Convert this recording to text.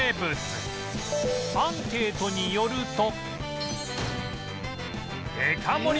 アンケートによると